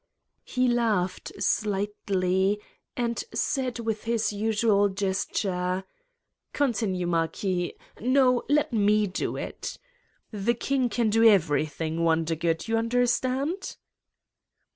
He laughed slightly and said with his usual ges ture: "Continue, Marquis ... No, let me do it. The 183 Satan's Diary King can do everything, Wondergood, yon under stand!"